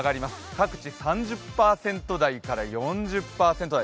各地３０％台から４０％台。